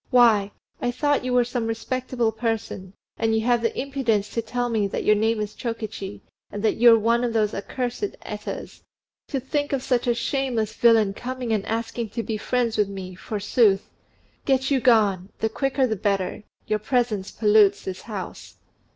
Why, I thought you were some respectable person; and you have the impudence to tell me that your name is Chokichi, and that you're one of those accursed Etas. To think of such a shameless villain coming and asking to be friends with me, forsooth! Get you gone! the quicker, the better: your presence pollutes the house."